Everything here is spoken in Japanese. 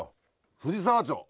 藤沢町。